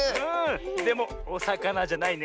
でもおさかなじゃないね。